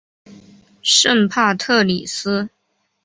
圣帕特里斯。